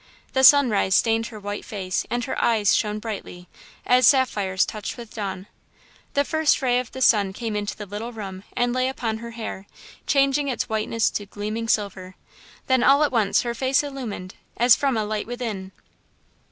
The sunrise stained her white face and her eyes shone brightly, as sapphires touched with dawn. The first ray of the sun came into the little room and lay upon her hair, changing its whiteness to gleaming silver. Then all at once her face illumined, as from a light within.